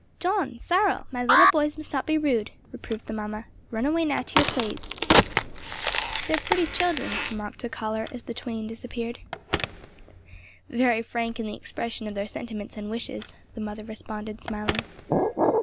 "Don! Cyril! my little boys must not be rude," reproved the mamma. "Run away now to your plays." "They're pretty children," remarked the caller as the twain disappeared. "Very frank in the expression of their sentiments and wishes," the mother responded smiling.